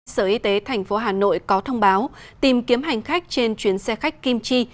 sở y tế tp hà nội có thông báo tìm kiếm hành khách trên chuyến xe khách kim chi